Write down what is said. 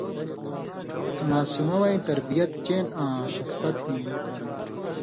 ماسمہ وَیں تربیت چین آں شفقت ہِنکراں